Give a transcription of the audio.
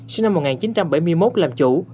sinh năm một nghìn chín trăm bảy mươi một làm chủ